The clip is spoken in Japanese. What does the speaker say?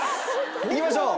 いきましょう。